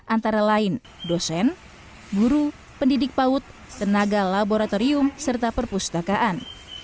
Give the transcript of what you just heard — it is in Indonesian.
antara lain dosen guru pendidik paut tenaga laboratorium serta perpustakaan